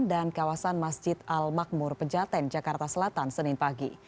dan kawasan masjid al makmur pejaten jakarta selatan senin pagi